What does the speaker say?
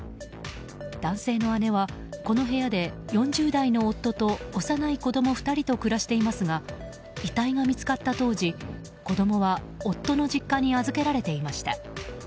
男性の姉は、この部屋で４０代の夫と幼い子供２人と暮らしていますが遺体が見つかった当時子供は夫の実家に預けられていました。